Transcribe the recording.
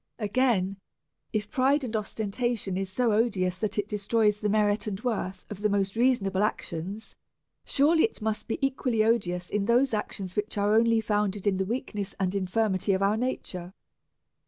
Again, if pride and ostentation are so odious that they destroy the merit and worth of the most reasons able actions, surely they must be equally odious in those actions which are only founded in the Aveakness and infirmity of our nature.